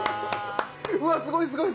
うわすごいすごい。